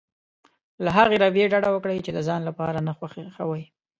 له هغې رويې ډډه وکړي چې د ځان لپاره نه خوښوي.